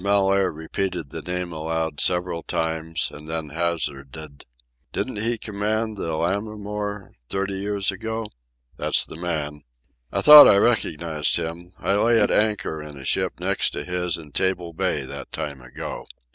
Mellaire repeated the name aloud several times, and then hazarded: "Didn't he command the Lammermoor thirty years ago?" "That's the man." "I thought I recognized him. I lay at anchor in a ship next to his in Table Bay that time ago."